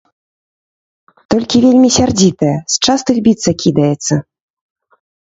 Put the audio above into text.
Толькі вельмі сярдзітая, з частых біцца кідаецца.